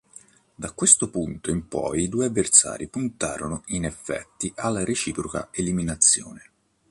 Da questo punto in poi i due avversari puntarono in effetti alla reciproca eliminazione.